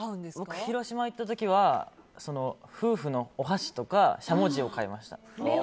僕、広島行った時は夫婦のお箸とかしゃもじを買いました。